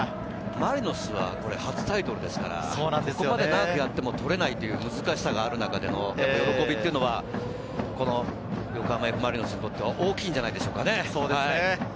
マリノスは初タイトルですから、ここまで長くやっても取れない難しさがある中での喜びは横浜Ｆ・マリノスにとっては大きいんじゃないでしょうか。